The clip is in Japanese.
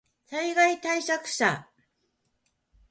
災害対策車